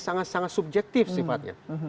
sangat sangat subjektif sifatnya